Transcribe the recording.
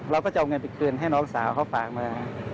เราก็จะเอาเงินไปคืนให้น้องสาวเขาฝากมา